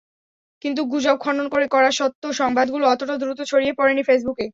কিন্তু গুজব খণ্ডন করে করা সত্য সংবাদগুলো অতটা দ্রুত ছড়িয়ে পড়েনি ফেসবুকে।